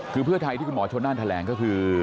คือเพื่อไทยที่คุณหมอชนนั่นแถลงก็คือ